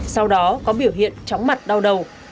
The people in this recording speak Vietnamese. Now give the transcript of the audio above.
sau đó có biểu hiện tróng mặt đau đầu